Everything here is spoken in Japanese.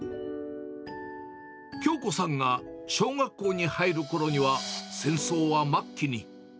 京子さんが小学校に入るころには、戦争は末期に。